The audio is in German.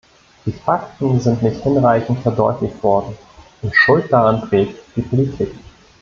Die Fakten sind nicht hinreichend verdeutlicht worden, und Schuld daran trägt die Politik.